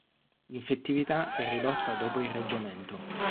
L'infettività è ridotta dopo irraggiamento.